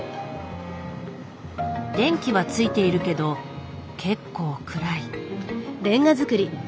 電気はついているけど結構暗い。